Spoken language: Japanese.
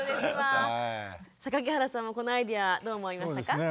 榊原さんもこのアイデアどう思いましたか？